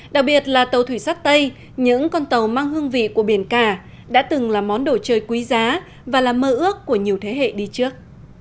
đặc biệt là tàu thủy sắt tây những con tàu mang hương vị của biển cả đã từng là món đồ chơi quý giá và là mơ ước của nhiều thế hệ đi trước